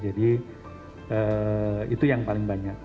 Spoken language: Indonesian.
jadi itu yang paling banyak